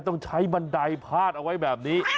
ต้องใช้บันไดพาดเอาไว้แบบนี้